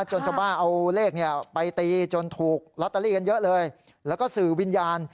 จนชาวบ้านเอาเลขไปตีจนถูกลอตเตอรี่กันเยอะเลยแล้วก็สื่อวิญญาณ